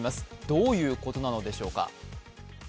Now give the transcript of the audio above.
どういうことなのでしょうか。